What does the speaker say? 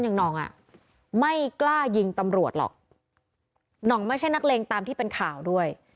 น้องอ่ะไม่กล้ายิงตำรวจหรอกน้องไม่ใช่นักเลงตามที่เป็นข่าวด้วย